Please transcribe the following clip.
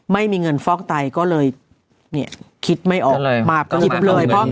ไม่มีเงินฟอกไตก็เลยคิดไม่ออกมากินไปเลย